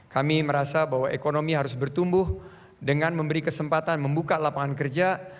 kami merasa bahwa ekonomi harus bertumbuh dengan memberi kesempatan membuka lapangan kerja